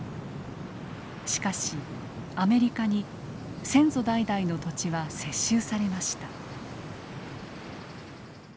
しかしアメリカに先祖代々の土地は接収されました。